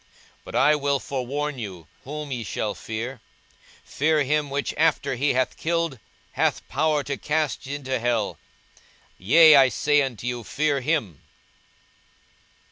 42:012:005 But I will forewarn you whom ye shall fear: Fear him, which after he hath killed hath power to cast into hell; yea, I say unto you, Fear him.